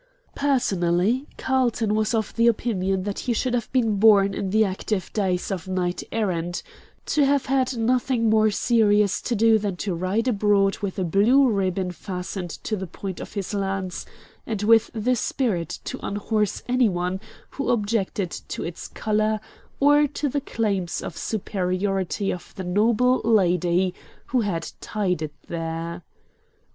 Personally Carlton was of the opinion that he should have been born in the active days of knights errant to have had nothing more serious to do than to ride abroad with a blue ribbon fastened to the point of his lance, and with the spirit to unhorse any one who objected to its color, or to the claims of superiority of the noble lady who had tied it there.